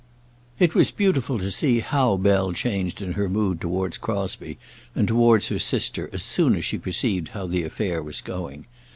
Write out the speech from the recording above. It was beautiful to see how Bell changed in her mood towards Crosbie and towards her sister as soon as she perceived how the affair was going.